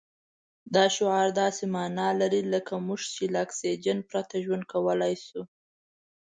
دا شعار داسې مانا لري لکه موږ چې له اکسجن پرته ژوند کولای شو.